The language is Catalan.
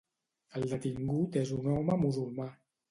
El detingut és un home musulmà.